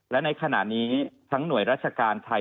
และในขณะนี้ทั้งหน่วยราชการไทย